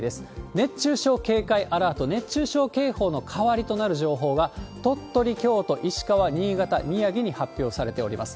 熱中症警戒アラート、熱中症警報の代わりとなる情報が、鳥取、京都、石川、新潟、宮城に発表されております。